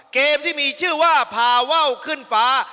ที่มีชื่อว่าพาว่าวขึ้นฟ้า